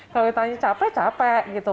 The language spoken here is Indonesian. kalau ditanya capek capek gitu